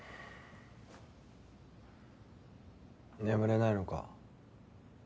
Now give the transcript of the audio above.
眠れないのか？